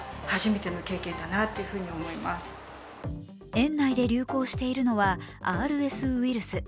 園内で流行しているのはＲＳウイルス。